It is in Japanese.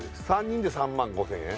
３人で３万５０００円？